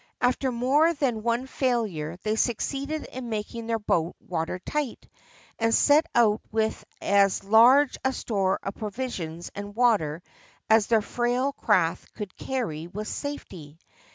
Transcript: After more than one failure they succeeded in making their boat water tight, and set out with as large a store of provisions and water as their frail craft could carry with safety.